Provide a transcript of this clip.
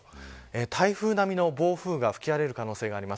台風並みの暴風が吹き荒れる可能性があります。